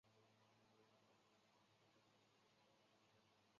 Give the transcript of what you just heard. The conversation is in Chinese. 教堂在二战期间遭到破坏。